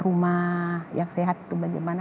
rumah yang sehat itu bagaimana